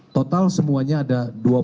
total semuanya ada